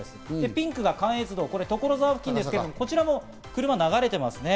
ピンクが関越道、所沢付近ですけど、こちらも車が流れていますね。